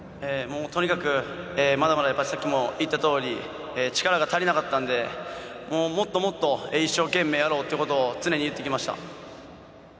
とにかく、まだまださっきも言ったとおり力が足りなかったんでもっともっと一生懸命やろうということを常に言ってきました。